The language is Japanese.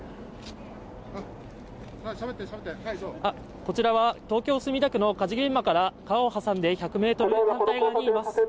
こちらは東京墨田区の火事現場から川を挟んで反対側にいます